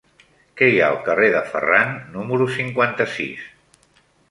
Què hi ha al carrer de Ferran número cinquanta-sis?